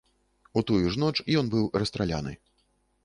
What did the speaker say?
У тую ж ноч ён быў расстраляны.